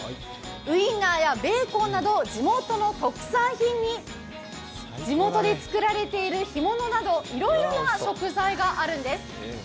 ウインナーやベーコンなど、地元の特産品に地元で作られている干物などいろいろな食材があるんです。